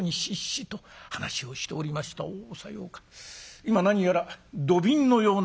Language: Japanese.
今何やら土瓶のような」。